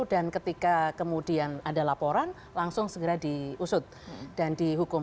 dan ketika kemudian ada laporan langsung segera diusut dan dihukum